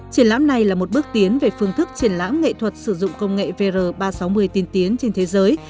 triển lãm này là một bước tiến về phương thức triển lãm nghệ thuật sử dụng công nghệ vr ba trăm sáu mươi tiên tiến trên thế giới